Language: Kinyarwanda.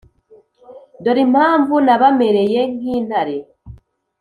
dore impamvu nabamereye nk’intare,